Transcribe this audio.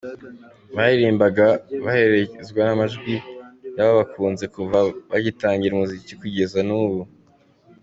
Baririmbaga baherekezwa n’amajwi y’ababakunze kuva bagitangira umuziki kugeza n’ubu.